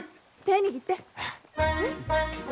手握って。